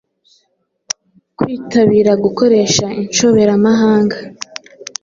Kwitabira gukoresha inshoberamahanga